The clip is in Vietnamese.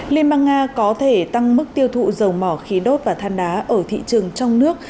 liên bang nga có thể tăng mức tiêu thụ dầu mỏ khí đốt và than đá ở thị trường trong nước